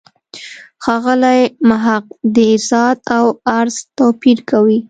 ښاغلی محق د «ذات» او «عرض» توپیر کوي.